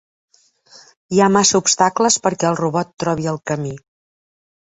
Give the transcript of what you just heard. Hi ha massa obstacles perquè el robot trobi el camí.